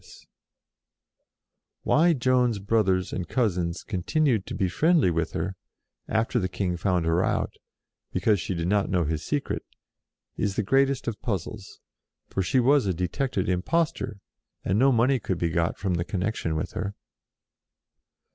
SECOND TRIAL 117 Why Joan's brothers and cousins con tinued to be friendly with her, after the King found her out, because she did not know his secret, is the greatest of puzzles, for she was a detected impostor, and no money could be got from the connection with her.